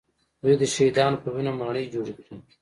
دوی د شهیدانو په وینو ماڼۍ جوړې کړې